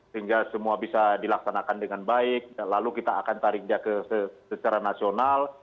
sehingga semua bisa dilaksanakan dengan baik lalu kita akan tarik secara nasional